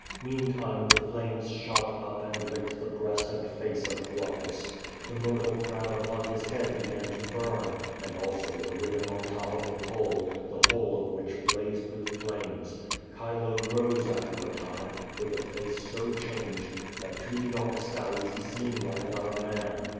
Meantime the flames shot up and licked the breast and face of Glaucus. The myrtle crown upon his head began to burn, and also the ribbon on the top of the pole, the whole of A^^hich blazed with flames. Chilo rose after a time, with a face so changed, that to the Augustales he seemed like another man.